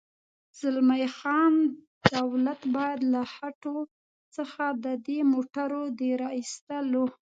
زلمی خان: دولت باید له خټو څخه د دې موټرو د را اېستلو.